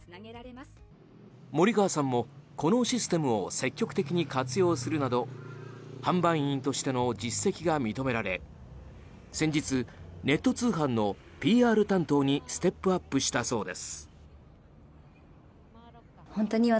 森川さんもこのシステムを積極的に活用するなど販売員としての実績が認められ先日、ネット通販のＰＲ担当にステップアップしたそうです。